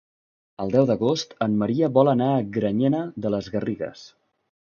El deu d'agost en Maria vol anar a Granyena de les Garrigues.